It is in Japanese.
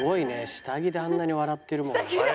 下着であんなに笑ってるもんね。